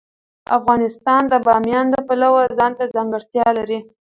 افغانستان د بامیان د پلوه ځانته ځانګړتیا لري.